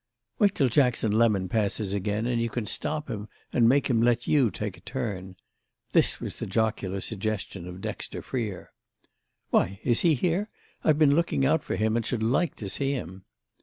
"Wait till Jackson Lemon passes again and you can stop him and make him let you take a turn." This was the jocular suggestion of Dexter Freer. "Why, is he here? I've been looking out for him and should like to see him."